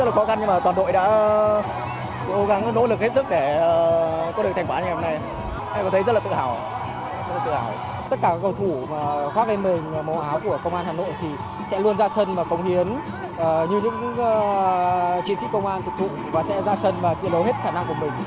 công loại bộ công an hà nội sẽ luôn ra sân và cống hiến như những chiến sĩ công an thực tụng và sẽ ra sân và triển lộ hết khả năng của mình